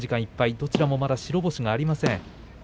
どちらもまだ白星がありません。